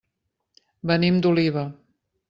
Venim d'Oliva.